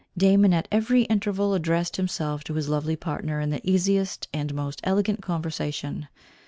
Damon at every interval addressed himself to his lovely partner in the easiest and most elegant conversation.